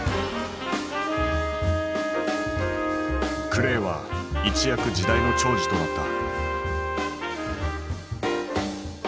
クレイは一躍時代の寵児となった。